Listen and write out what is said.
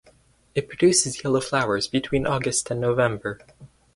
It produces yellow flowers between August and November.